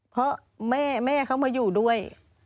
เพราะแม่เขามาอยู่ด้วย